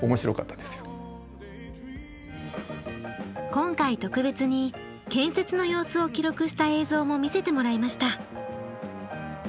今回特別に建設の様子を記録した映像も見せてもらいました。